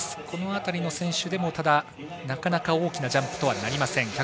この辺りの選手でもなかなか大きなジャンプとはなりません。